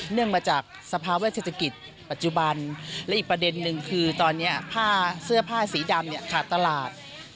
งมาจากสภาวะเศรษฐกิจปัจจุบันและอีกประเด็นนึงคือตอนนี้ผ้าเสื้อผ้าสีดำเนี่ยขาดตลาด